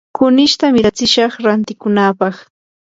kunishta miratsishaq rantikunapaq.